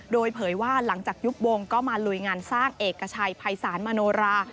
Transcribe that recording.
โดยเผยว่าหลังจากยุบวงก็มาลุยงานสร้างเอกชัยภัยศาลมโนรา